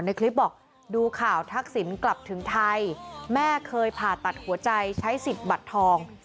ในคลิปบอกดูข่าวทักษิณกลับถึงไทยแม่เคยผ่าตัดหัวใจใช้สิทธิ์บัตรทอง